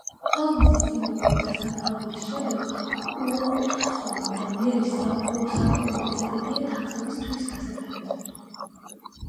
ჰოლმზის სიმბოლური დასაფლავების შემდეგ, უოტსონი და მერი საბოლოოდ ემზადებიან თაფლობის თვის გასატარებლად.